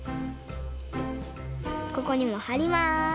ここにもはります。